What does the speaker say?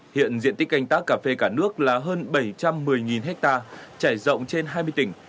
hiện diện tích canh tác cà phê cả nước là hơn bảy trăm một mươi ha trải rộng trên hai mươi tỉnh